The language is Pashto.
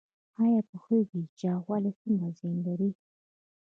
ایا پوهیږئ چې چاغوالی څومره زیان لري؟